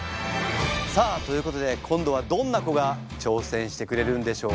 さあということで今度はどんな子が挑戦してくれるんでしょうか？